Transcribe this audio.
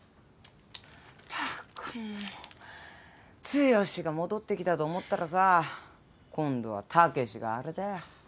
剛が戻ってきたと思ったらさ今度は猛があれだよ。